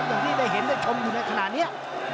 อย่างที่ได้เห็นได้ชมอยู่ในขณะนี้